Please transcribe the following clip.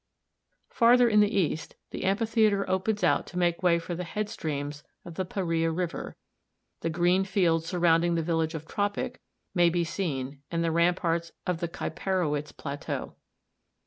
Farther in the east, the amphitheatre opens out to make way for the headstreams of the Pahreah River; the green fields surrounding the village of Tropic may be seen and the ramparts of the Kaiparowitz Plateau.